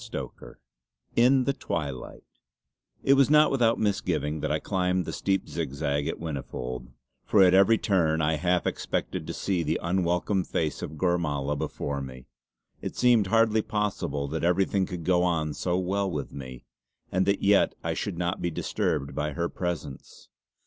CHAPTER XI IN THE TWILIGHT It was not without misgiving that I climbed the steep zigzag at Whinnyfold, for at every turn I half expected to see the unwelcome face of Gormala before me. It seemed hardly possible that everything could go on so well with me, and that yet I should not be disturbed by her presence.